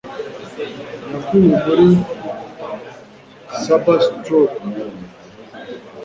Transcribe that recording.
Yakuwe muri saberstroke